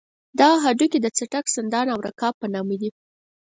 دغه هډوکي د څټک، سندان او رکاب په نامه دي.